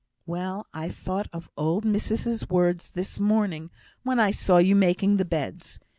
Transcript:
Well! I thought of all old missus's words this morning, when I saw you making the beds.